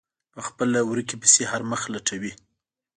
په خپله ورکې پسې هر مخ لټوي.